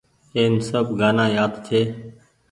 اين سب گآنآ يآد ڇي۔